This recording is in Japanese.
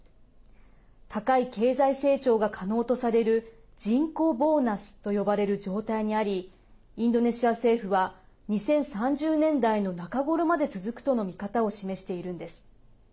高い経済成長が可能とされる人口ボーナスと呼ばれる状態にありインドネシア政府は２０３０年代の中頃まで続くとの見方を示しているんです。